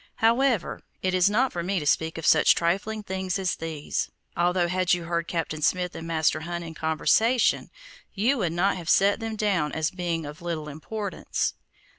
However, it is not for me to speak of such trifling things as these, although had you heard Captain Smith and Master Hunt in conversation, you would not have set them down as being of little importance.